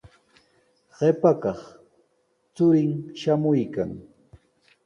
Qipa kaq churin shamuykan.